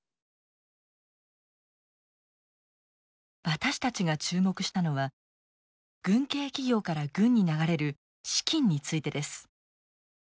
私たちが注目したのは軍系企業から軍に流れる資金についてです。